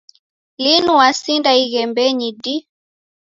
Linu wasinda ighembenyi dii.